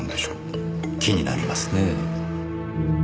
気になりますねえ。